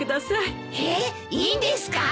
えっいいんですか？